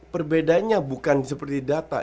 perbedaannya bukan seperti data